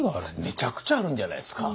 めちゃくちゃあるんじゃないですか。